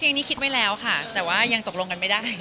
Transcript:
จริงคิดได้แล้วแต่ยังตกลงกันไม่ได้